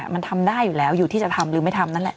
มันทำได้อยู่แล้วอยู่ที่จะทำหรือไม่ทำนั่นแหละ